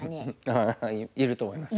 ああいると思いますよ。